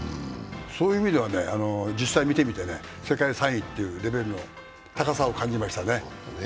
そういう意味では実際見てみて世界３位というレベルの高さを感じましたね。